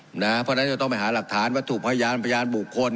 เพราะฉะนั้นจะต้องไปหาหลักฐานวัตถุพยานพยานบุคคล